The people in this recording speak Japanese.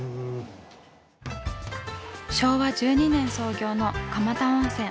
昭和１２年創業の蒲田温泉。